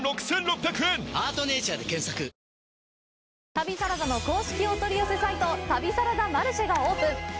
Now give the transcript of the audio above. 旅サラダの公式お取り寄せサイト旅サラダマルシェがＯＰＥＮ